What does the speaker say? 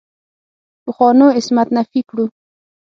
پخوانو عصمت نفي کړو.